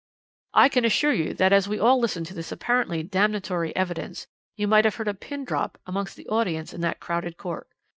"I can assure you that as we all listened to this apparently damnatory evidence, you might have heard a pin drop amongst the audience in that crowded court.